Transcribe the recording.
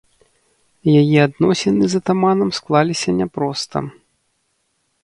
Яе адносіны з атаманам складаліся няпроста.